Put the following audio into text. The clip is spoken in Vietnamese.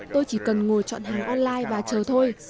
tôi chỉ cần ngồi chọn hàng online và chờ thôi